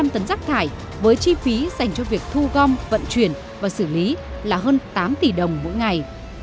một trăm linh tấn rác thải với chi phí dành cho việc thu gom vận chuyển và xử lý là hơn tám tỷ đồng mỗi ngày